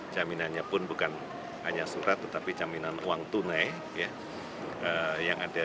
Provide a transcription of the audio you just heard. jaminannya pun bukan hanya surat tetapi jaminan uang tunai yang ada